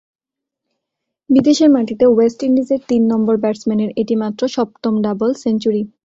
বিদেশের মাটিতে ওয়েস্ট ইন্ডিজের তিন নম্বর ব্যাটসম্যানের এটি মাত্র সপ্তম ডাবল সেঞ্চুরি।